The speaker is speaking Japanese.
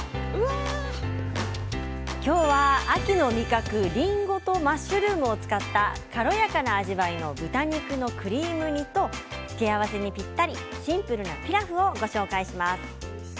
今日は秋の味覚りんごとマッシュルームを使った軽やかな味わいの豚肉のクリーム煮と付け合わせにぴったりシンプルなピラフをご紹介します。